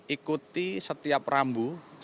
ikuti setiap rambu setiap rekaya